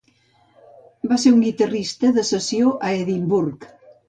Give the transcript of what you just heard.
Va ser un guitarrista de sessió a Edimburg.